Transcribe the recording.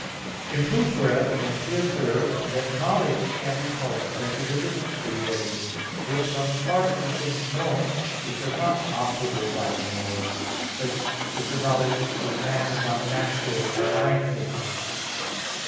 In proof whereof it must be observed that knowledge can be called speculative in three ways: first, on the part of the things known, which are not operable by the knower; such is the knowledge of man about natural or divine thing[s].